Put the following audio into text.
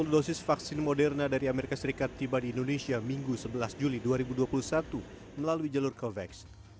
dua puluh dosis vaksin moderna dari amerika serikat tiba di indonesia minggu sebelas juli dua ribu dua puluh satu melalui jalur covax